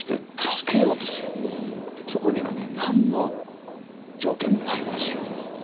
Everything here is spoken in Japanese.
そこにはね何の条件もないんですよ。